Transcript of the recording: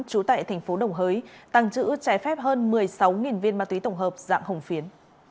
trú tại thành phố đồng hới tăng trữ trái phép hơn một mươi sáu viên ma túy tổng hợp dạng hồng phiến